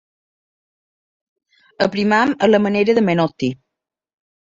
Aprimem a la manera de Menotti.